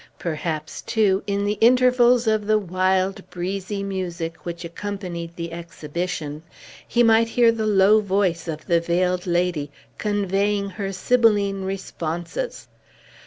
Perhaps, too, in the intervals of the wild breezy music which accompanied the exhibition, he might hear the low voice of the Veiled Lady, conveying her sibylline responses.